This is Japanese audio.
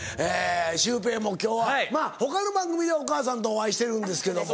シュウペイも今日はまぁ他の番組ではお母さんとお会いしてるんですけども。